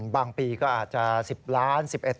บางปีก็อาจจะ๑๐ล้าน๑๑ล้าน๙ล้าน